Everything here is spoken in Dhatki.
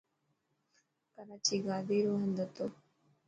ڪراچي گادي رو هند هتو.